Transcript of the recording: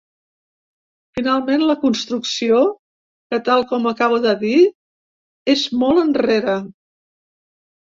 Finalment, la construcció, que, tal com acabo de dir, és molt enrere.